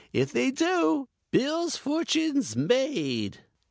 If they do, Bill's fortune is made."